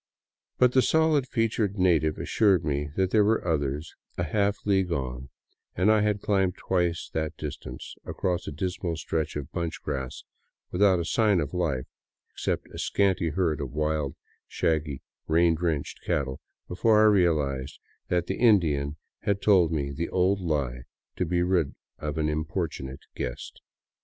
But the stolid featured native assured me there were others a half league on, and I had climbed twice that distance across a dismal stretch of bunch grass without a sign of life, except a scanty herd of wild, shaggy, rain drenched cattle, before I realized that the Indian had told the old j lie to be rid of an importunate guest.